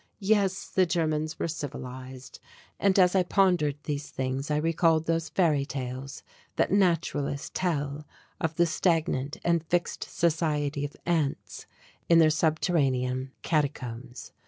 Yes, the Germans were civilized. And as I pondered these things I recalled those fairy tales that naturalists tell of the stagnant and fixed society of ants in their subterranean catacombs.